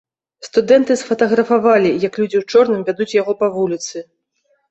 Студэнты сфатаграфавалі, як людзі ў чорным вядуць яго па вуліцы.